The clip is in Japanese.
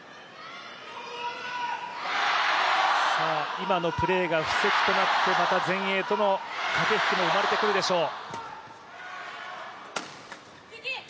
今のプレーが布石となって、また前衛との駆け引きも生まれてくるでしょう。